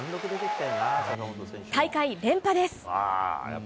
大会連覇です。